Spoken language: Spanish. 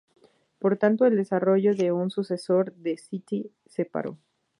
Por tanto, el desarrollo de un sucesor del "City" se paró.